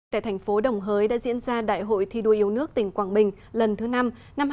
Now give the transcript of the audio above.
tại thành phố đồng hới đã diễn ra đại hội thi đua yêu nước tỉnh quảng bình lần thứ năm năm hai nghìn hai mươi một hai nghìn hai mươi năm